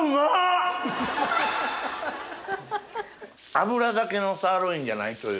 脂だけのサーロインじゃないという。